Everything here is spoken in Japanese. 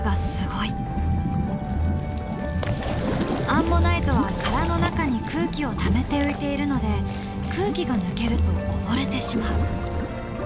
アンモナイトは殻の中に空気をためて浮いているので空気が抜けると溺れてしまう。